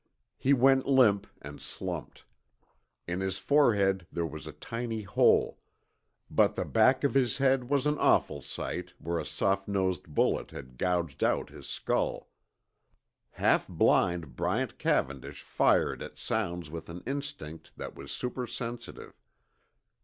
He went limp and slumped. In his forehead there was a tiny hole, but the back of his head was an awful sight where a soft nosed bullet had gouged out his skull. Half blind Bryant Cavendish fired at sounds with an instinct that was supersensitive.